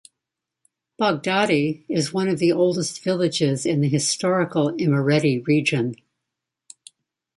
Baghdati is one of the oldest villages in the historical Imereti region.